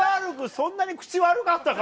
そんなに口悪かったか？